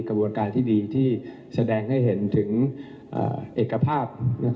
กระบวนการที่ดีที่แสดงให้เห็นถึงเอกภาพ